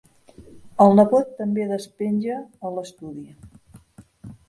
El nebot també despenja, a l'estudi.